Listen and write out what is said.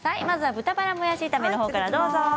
まずは豚バラもやし炒めのほうからどうぞ。